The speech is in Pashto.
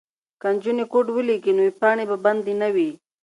که نجونې کوډ ولیکي نو ویبپاڼې به بندې نه وي.